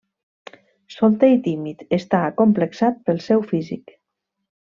Solter i tímid, està acomplexat pel seu físic.